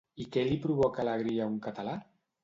I què li provoca alegria a un català?